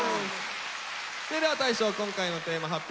それでは大昇今回のテーマ発表